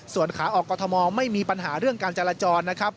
ส่วนขาออกกรทมไม่มีปัญหาเรื่องการจราจรนะครับ